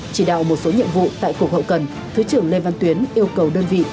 chỉ đạo một số nhiệm vụ tại cục hậu cần thứ trưởng lê văn tuyến yêu cầu đơn vị